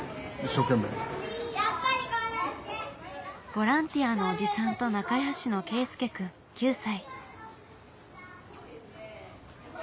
ボランティアのおじさんと仲よしのけいすけくん９歳。